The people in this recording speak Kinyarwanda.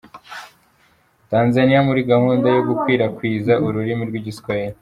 Tanzaniya muri gahunda yo gukwirakwiza ururimi rw’Igiswahili